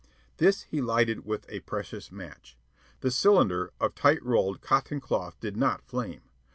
This he lighted with a precious match. The cylinder of tight rolled cotton cloth did not flame.